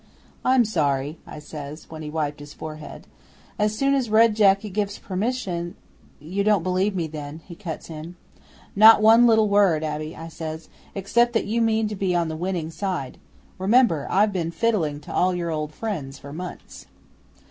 '"I'm sorry," I says, when he wiped his forehead. "As soon as Red Jacket gives permission " '"You don't believe me, then?" he cuts in. '"Not one little, little word, Abbe," I says; "except that you mean to be on the winning side. Remember, I've been fiddling to all your old friends for months."